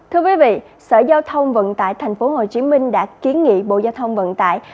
thưa quý vị sở giao thông vận tải tp hcm đã kiến nghị bộ giao thông vận tải